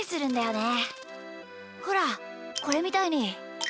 ほらこれみたいに。